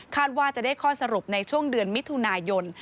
ว่าจะได้ข้อสรุปในช่วงเดือนมิถุนายน